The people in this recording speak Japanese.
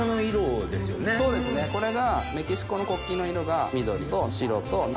これがメキシコの国旗の色が緑と白と赤。